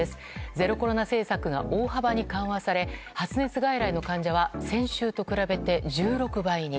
ゼロコロナ政策が大幅に緩和され発熱外来の患者は先週と比べて１６倍に。